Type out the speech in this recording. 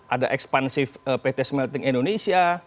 ada ekspansif pt smelting indonesia